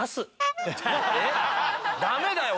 ダメだよ！